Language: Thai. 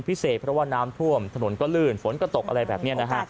พิเศษเพราะว่าน้ำท่วมถนนก็ลื่นฝนก็ตกอะไรแบบนี้นะฮะ